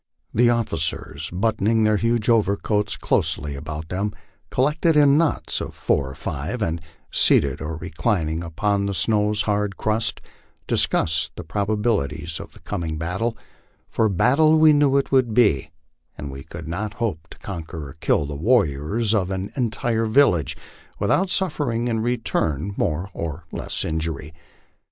The officers, buttoning their huge overcoats closely about them, collected in knots of four or five, and, seated or reclining upon the sncw's hard crust, discussed the probabilities of the coming battle for battle we knew it would be, and we could not hope to conquer or kill the warriors of an entire village without suffering in return more or less injury.